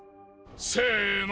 せの。